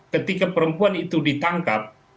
ketika perempuan itu ditangkap